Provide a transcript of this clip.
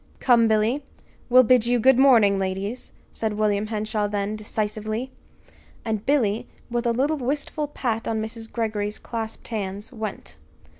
"Come, Billy! We'll bid you good morning, ladies," said William Henshaw then, decisively. And Billy, with a little wistful pat on Mrs. Greggory's clasped hands, went.